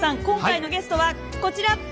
今回のゲストはこちら！